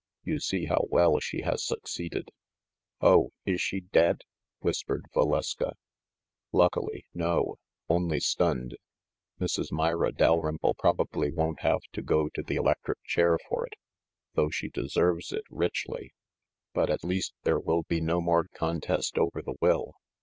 You see how well she has succeeded." "Oh ! is she dead ?" whispered Valeska. "Luckily, no; only stunned. Mrs. Myra Dalrymple probably won't have to go to the electric chair for it, though she deserves it richly. But, at least, there will be no more contest over the will.